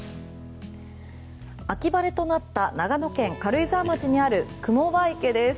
秋晴れとなった長野県軽井沢町にある雲場池です。